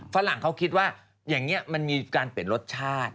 ฝรั่งเขาคิดว่าอย่างนี้มันมีการเปลี่ยนรสชาติ